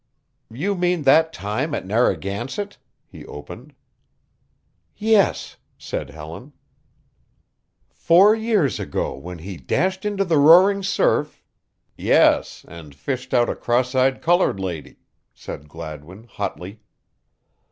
"You mean that time at Narragansett?" he opened. "Yes," said Helen. "Four years ago when he dashed into the roaring surf" "Yes, and fished out a cross eyed colored lady," said Gladwin hotly.